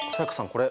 これ。